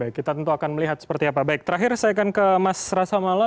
baik baik kita tentu akan melihat seperti apa baik baik terakhir saya akan ke mas rasamala